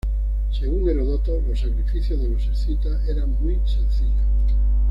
Según Heródoto los sacrificios de los escitas eran muy sencillos.